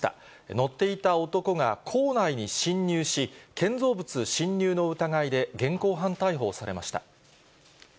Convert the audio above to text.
乗っていた男が、校内に侵入し、建造物侵入の疑いで、現行犯逮捕されました。